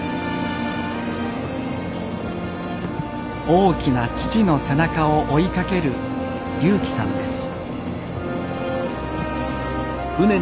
大きな父の背中を追いかける龍希さんです。